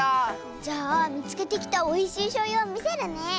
じゃあみつけてきたおいしいしょうゆをみせるね。